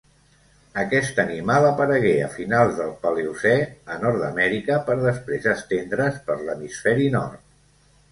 Aquest animal aparegué a finals del Paleocè a Nord-amèrica per després estendre's per l'hemisferi nord.